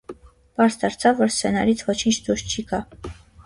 Պարզ դարձավ, որ սցենարից ոչինչ դուրս չի գա։